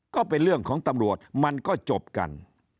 ก็เป็นเรื่องของตำรวจมันก็จบกัน